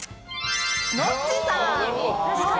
ノッチさん。